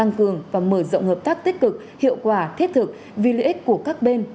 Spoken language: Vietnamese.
mở rộng hợp tác tích cực hiệu quả thiết thực vì lợi ích của các bên